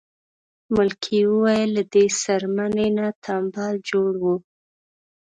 ملکې وویل له دې څرمنې نه تمبل جوړوو.